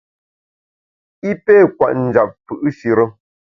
I pé kwet njap fù’shire.